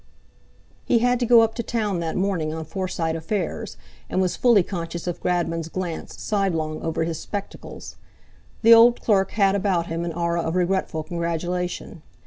He had to go up to Town that morning on Forsyte affairs, and was fully conscious of Gradman's glance sidelong over his spectacles. The old clerk had about him an aura of regretful congratulation.